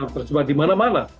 terserah di mana mana